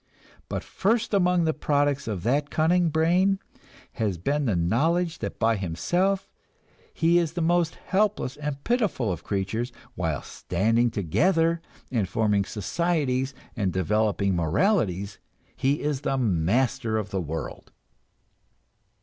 But first among the products of that cunning brain has been the knowledge that by himself he is the most helpless and pitiful of creatures, while standing together and forming societies and developing moralities, he is master of the world.